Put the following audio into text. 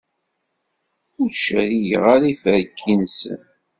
Ur ttcerrigeɣ ara iferki-nsen.